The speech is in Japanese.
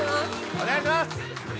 お願いします！